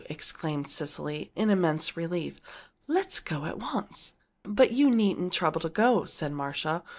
exclaimed Cecily, in immense relief. "Let us go at once." "But you needn't trouble to go," said Marcia.